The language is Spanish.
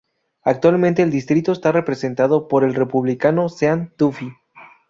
Actualmente el distrito está representado por el Republicano Sean Duffy.